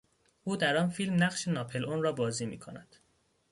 او در آن فیلم نقش ناپلئون را بازی میکند.